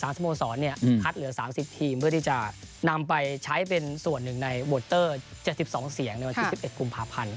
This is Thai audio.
สโมสรคัดเหลือ๓๐ทีมเพื่อที่จะนำไปใช้เป็นส่วนหนึ่งในโวตเตอร์๗๒เสียงในวันที่๑๑กุมภาพันธ์